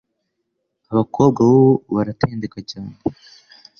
abakobwa b'ubu baratendeka cyane